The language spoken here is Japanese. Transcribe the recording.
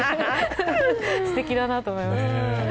すてきだなと思いました。